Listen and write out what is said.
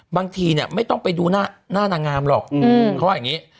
บางทีเนี่ยไม่ต้องไปดูหน้านางงามหรอกเขาว่าอย่างนี้